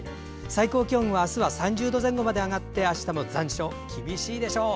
最高気温は３０度前後まで上がって明日は残暑、厳しいでしょう。